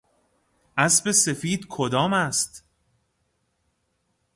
اسب سفید کدام است؟